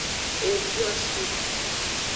Efioshi.